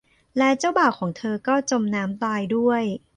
และเจ้าบ่าวของเธอก็จมน้ำตายด้วย